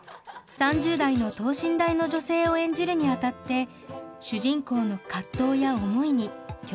３０代の等身大の女性を演じるにあたって主人公の葛藤や思いに共感したといいます。